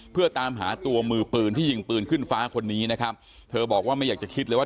เพื่อตามหาตัวมือปืนที่ยิงปืนขึ้นฟ้าคนนี้นะครับเธอบอกว่าไม่อยากจะคิดเลยว่า